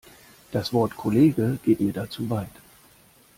Das Wort Kollege geht mir da zu weit.